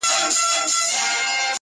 هغه پاڅي تشوي به کوثرونه،